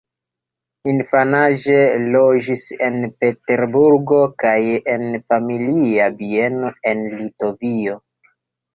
Infanaĝe loĝis en Peterburgo kaj en familia bieno en Litovio.